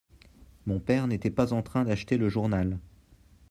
Mon père n'était pas en train d'acheter le journal.